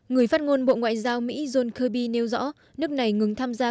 người phát ngôn bộ ngoại giao mỹ john kirby nêu rõ nước này ngừng tham gia